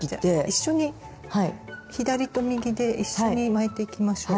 一緒に左と右で一緒に巻いていきましょう。